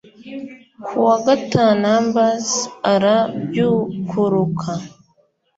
ku wa gatanumbers arabyukuruka